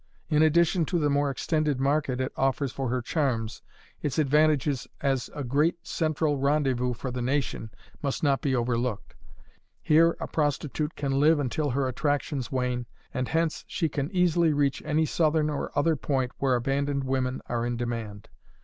In addition to the more extended market it offers for her charms, its advantages as a great central rendezvous for the nation must not be overlooked. Here a prostitute can live until her attractions wane, and hence she can easily reach any southern or other point where abandoned women are in demand.